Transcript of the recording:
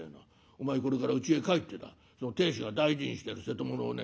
お前これからうちへ帰ってだ亭主が大事にしてる瀬戸物をね